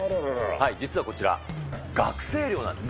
実はこちら、学生寮なんです。